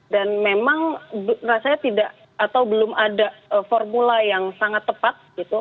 dan memang rasanya tidak atau belum ada formula yang sangat tepat gitu